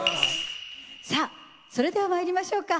さあそれではまいりましょうか。